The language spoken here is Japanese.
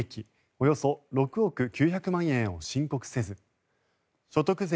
およそ６億９００万円を申告せず所得税